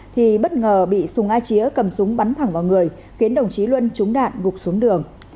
thì bất ngờ bị sùng a chía cầm súng bắn thẳng vào người khiến đồng chí luân trúng đạn gục xuống đường